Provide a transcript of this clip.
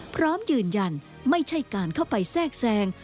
พร้อมยืนยันไม่ใช่การเข้าไปแทรกแทรง